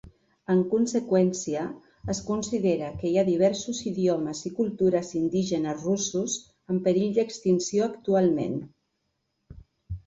En conseqüència, es considera que hi ha diversos idiomes i cultures indígenes russos en perill d'extinció actualment.